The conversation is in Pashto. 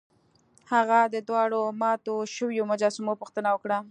هغه د دواړو ماتو شویو مجسمو پوښتنه وکړه.